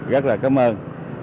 rất là cảm ơn